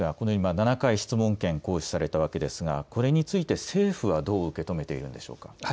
７回、質問権が行使されたわけですがこれについて政府はどう受け止めているんでしょうか。